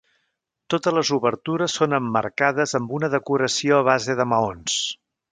Totes les obertures són emmarcades amb una decoració a base de maons.